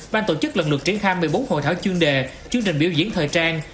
ban tổ chức lần lượt triển khai một mươi bốn hội thảo chuyên đề chương trình biểu diễn thời trang